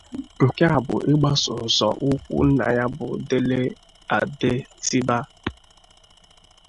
Nke a bụ igbaso nzọ ụkwụ nna ya bụ Dele Adetiba.